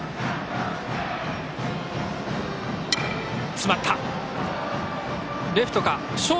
詰まった。